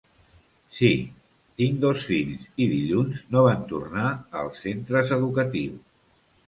Sí, tinc dos fills i dilluns no van tornar als centres educatius.